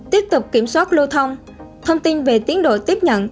tiếp tục kiểm soát lưu thông